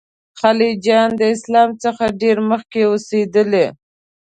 خلجیان د اسلام څخه ډېر مخکي اوسېدلي.